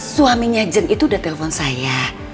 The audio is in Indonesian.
suaminya jen itu udah telpon saya